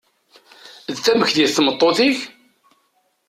D tamekdit tmeṭṭut-ik?